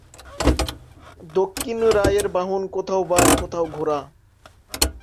দক্ষিণ রায়ের বাহন কোথাও বাঘ, কোথাও ঘোড়া।